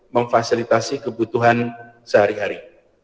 memfasilitasi kebutuhan sehari hari